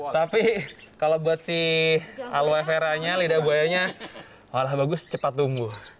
tapi kalau buat si alue veranya lidah buayanya malah bagus cepat tumbuh